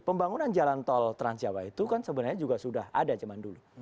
pembangunan jalan tol transjawa itu kan sebenarnya juga sudah ada zaman dulu